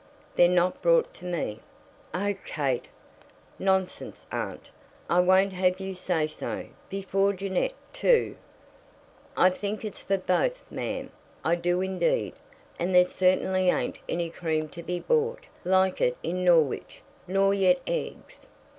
They're not brought to me." "Oh, Kate!" "Nonsense, aunt; I won't have you say so; before Jeannette, too." "I think it's for both, ma'am; I do indeed. And there certainly ain't any cream to be bought like it in Norwich: nor yet eggs."